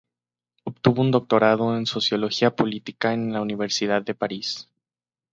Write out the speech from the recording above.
Obtuvo un doctorado en Sociología política en la Universidad de París.